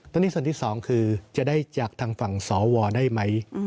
ตอนนี้ส่วนที่สองคือจะได้จากทางฝั่งสวได้ไหม